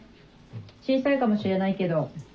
小さいかもしれないけど。